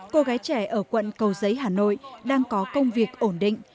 cô gái trẻ ở quận cầu giấy hà nội đang có công việc ổn định